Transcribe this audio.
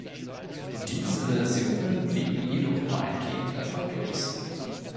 Diese Versionen blieben jedoch weitgehend erfolglos.